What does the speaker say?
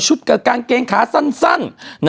กับกางเกงขาสั้น